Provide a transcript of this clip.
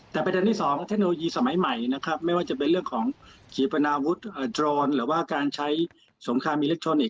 แต่ประเด็นที่สองเทคโนโลยีสมัยใหม่นะครับไม่ว่าจะเป็นเรื่องของขีปนาวุฒิโดรนหรือว่าการใช้สงครามอิเล็กทรอนิกส